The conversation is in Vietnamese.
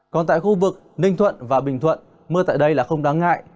còn tại khu vực ninh thuận và bình thuận mưa tại đây là không đáng ngại